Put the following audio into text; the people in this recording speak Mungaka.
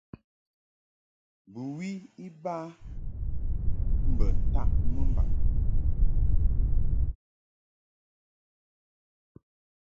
Bɨwi iba mbə taʼ mɨmbaŋ.